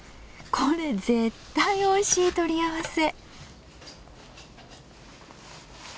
これ絶対おいしい取り合わせ！